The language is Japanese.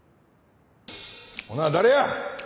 ほな誰や！